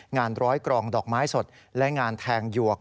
ร้อยกรองดอกไม้สดและงานแทงหยวก